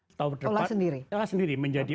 olah sendiri olah sendiri menjadi